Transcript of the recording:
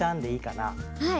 はい。